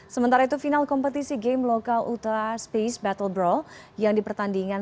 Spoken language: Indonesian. sementara itu final kompetisi game lokal ultra space battle brawl yang dipertandingkan